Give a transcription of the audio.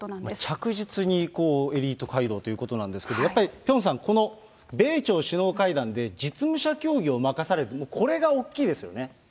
着実にエリート街道ということなんですけれども、ピョンさん、この米朝首脳会談で実務者協議を任される、これが大きいですよね。